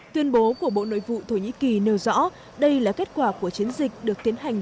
tuyên bố của bộ nội vụ thổ nhĩ kỳ nêu rõ đây là kết quả của chiến dịch được tiến hành